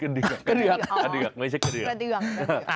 อันนี้ไม่ใช่เกอร์เดือก